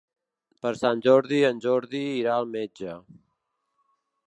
Per Sant Jordi en Jordi irà al metge.